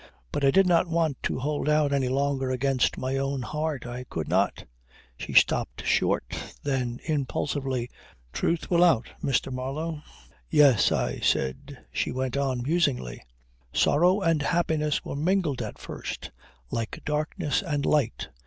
But I did not want to hold out any longer against my own heart! I could not." She stopped short, then impulsively: "Truth will out, Mr. Marlow." "Yes," I said. She went on musingly. "Sorrow and happiness were mingled at first like darkness and light.